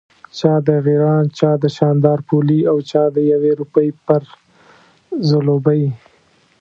چا د غیراڼ، چا د شانداپولي او چا د یوې روپۍ پر ځلوبۍ.